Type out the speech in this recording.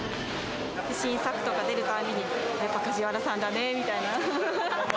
新作とか出るたんびに、やっぱり梶原さんだねみたいな。